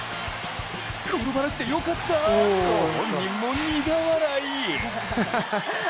転ばなくてよかったと本人も苦笑い。